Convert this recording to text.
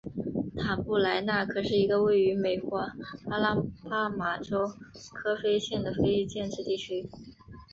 塔布莱纳可是一个位于美国阿拉巴马州科菲县的非建制地区。